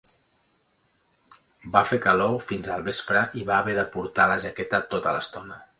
Va fer calor fins al vespre i va haver de portar la jaqueta tota l'estona.